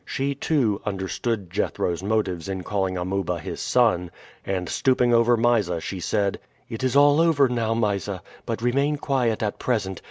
She, too, understood Jethro's motives in calling Amuba his son, and stooping over Mysa she said: "It is all over now, Mysa, but remain quiet at present.